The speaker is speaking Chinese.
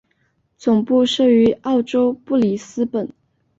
总部设于澳洲布里斯本。